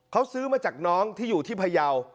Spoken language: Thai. เขาซื้อมาจากน้องที่อยู่ที่พยาว